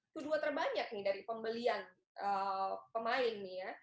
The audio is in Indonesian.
kedua terbanyak nih dari pembelian pemain nih ya